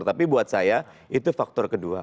tapi buat saya itu faktor kedua